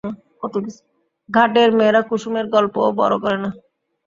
ঘাটের মেয়েরা কুসুমের গল্পও বড়ো করে না।